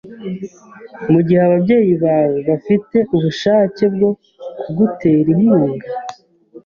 mugihe ababyeyi bawe bafite ubushake bwo kugutera inkunga?